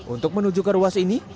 untuk menuju ke ruas ini